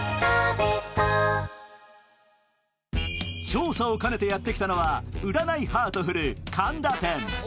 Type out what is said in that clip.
調査を兼ねてやってきたのは占いハートフル神田店。